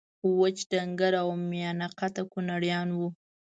وچ ډنګر او میانه قده کونړیان وو